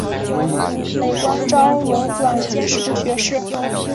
累官昭文馆兼侍读学士。